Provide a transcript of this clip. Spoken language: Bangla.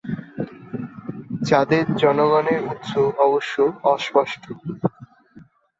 চাদের জনগণের উৎস অবশ্য অস্পষ্ট।